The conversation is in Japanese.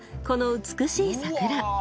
この美しい桜。